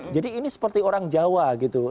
jadi ini seperti orang jawa gitu